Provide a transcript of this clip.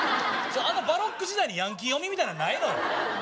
あのバロック時代にヤンキー読みみたいなないのよ